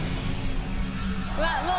わっもう。